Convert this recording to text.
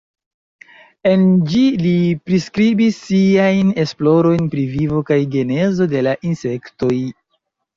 En ĝi li priskribis siajn esplorojn pri vivo kaj genezo de la insektoj.